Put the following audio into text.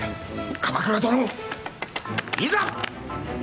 鎌倉殿、いざ！